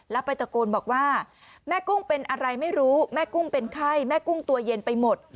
แล้วไปตะโกนบอกว่าแม่กุ้งเป็นอะไรไม่รู้แม่กุ้งเป็นไข้แม่กุ้งตัวเย็นไปหมด